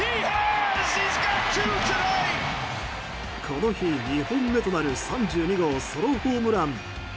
この日、２本目となる３２号ソロホームラン。